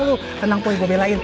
jangan sabar tenang saya belain